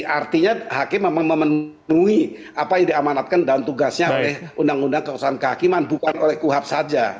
artinya hakim memang memenuhi apa yang diamanatkan dan tugasnya oleh undang undang kekuasaan kehakiman bukan oleh kuhap saja